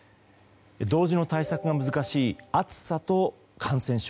同時の対策が難しい暑さと感染症。